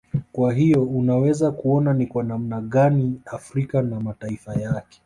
Kwa hiyo unaweza kuona ni kwa namna gani Afrika na mataifa yake